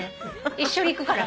一緒に行くから。